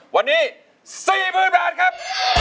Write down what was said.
วันนี้๔๐๐๐บาทครับ